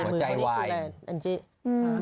หัวใจไวหัวใจไว